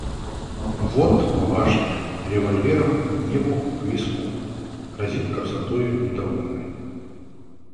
Вот башня, револьвером небу к виску, разит красотою нетроганой.